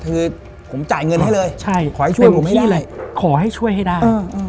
คือผมจ่ายเงินให้เลยขอให้ช่วยให้ได้